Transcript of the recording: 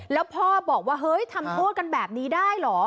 แล้วพ่อบอกว่าเฮ้ยทำโทษกันแบบนี้ได้เหรอ